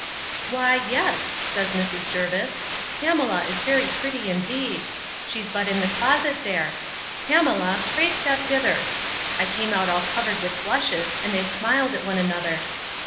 Why, yes, says Mrs. Jervis, Pamela is very pretty indeed; she's but in the closet there:—Pamela, pray step hither. I came out all covered with blushes, and they smiled at one another.